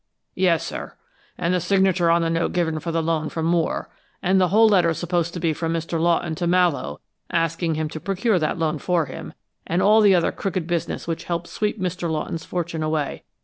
"Yes, sir. And the signature on the note given for the loan from Moore, and the whole letter supposed to be from Mr. Lawton to Mallowe, asking him to procure that loan for him, and all the other crooked business which helped sweep Mr. Lawton's fortune away.